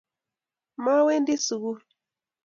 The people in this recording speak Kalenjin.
mawendi sugul